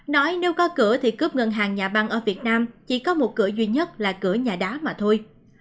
nói nếu có cửa thì cướp ngân hàng nhà băng ở việt nam chỉ có một cửa duy nhất là cửa nhà đá mà thôi